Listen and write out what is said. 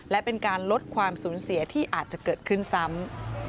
และเป็นการลดความสูญเสียที่อาจจะเกิดขึ้นซ้ำ